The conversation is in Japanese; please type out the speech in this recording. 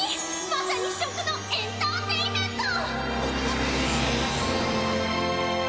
まさに食のエンターテインメント！